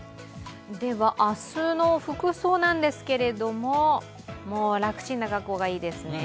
明日の服装なんですけれども、楽ちんな格好がいいですね。